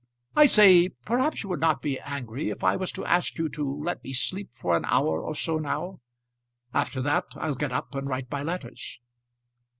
I say perhaps you would not be angry if I was to ask you to let me sleep for an hour or so now. After that I'll get up and write my letters."